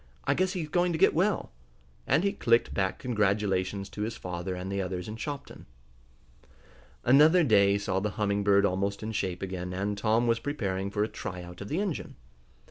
I guess he's going to get well!" and he clicked back congratulations to his father and the others in Shopton. Another day saw the Humming Bird almost in shape again, and Tom was preparing for a tryout of the engine. Mr.